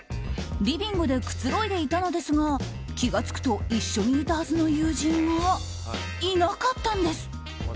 リビングでくつろいでいたのですが気が付くと一緒にいたはずの友人が、いなかったんです。